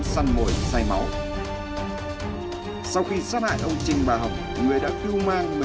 vậy tôi không hiểu